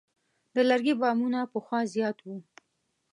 د لرګي بامونه پخوا زیات وو.